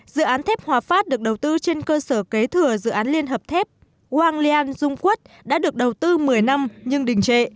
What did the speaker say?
dự án thép hòa phát được đầu tư trên cơ sở kế thừa dự án liên hợp thép wang lian dung quất đã được đầu tư một mươi năm nhưng đình trệ